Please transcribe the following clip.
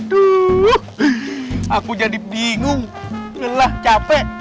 duh aku jadi bingung lelah capek